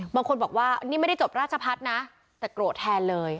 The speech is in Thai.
บางคนบอกว่านี่ไม่ได้จบราชพัฒน์นะแต่โกรธแทนเลย